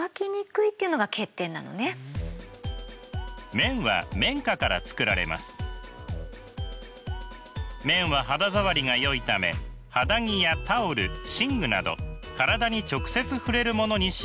綿は肌触りがよいため肌着やタオル寝具など体に直接触れるものに使用されます。